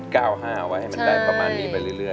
เอาไว้ให้มันได้ประมาณนี้ไปเรื่อย